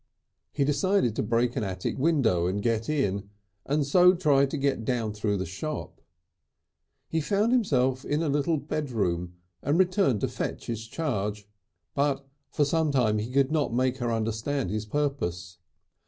He decided to break an attic window and get in, and so try and get down through the shop. He found himself in a little bedroom, and returned to fetch his charge. For some time he could not make her understand his purpose.